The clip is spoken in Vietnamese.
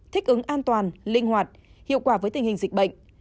thích ứng an toàn linh hoạt hiệu quả với tình hình dịch bệnh